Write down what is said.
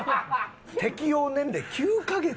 適応年齢９カ月。